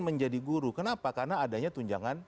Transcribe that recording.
menjadi guru kenapa karena adanya tunjangan